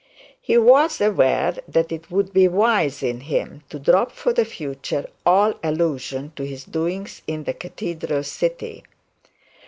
He was aware that it would be wise in him to drop for the future all allusions to his doings in the cathedral city.